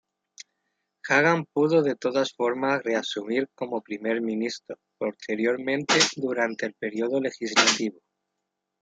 Jagan pudo de todas formas reasumir como Primer Ministro posteriormente durante el periodo legislativo.